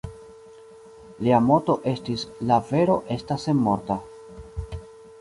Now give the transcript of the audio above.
Lia moto estis "La vero estas senmorta".